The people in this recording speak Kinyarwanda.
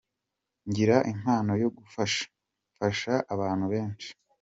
Ngira impano yo gufasha, mfasha abantu benshi.